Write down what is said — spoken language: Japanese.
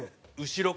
後ろ？